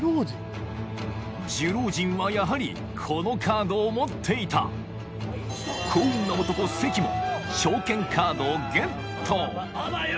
寿老人はやはりこのカードを持っていた幸運な男関も長剣カードをゲットあばよ。